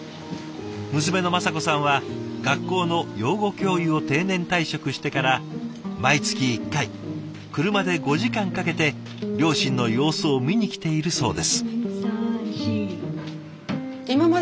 娘の雅子さんは学校の養護教諭を定年退職してから毎月１回車で５時間かけて両親の様子を見に来ているそうです。